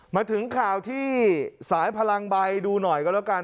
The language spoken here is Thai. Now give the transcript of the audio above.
มาถึงข่าวที่สายพลังใบดูหน่อยก็แล้วกัน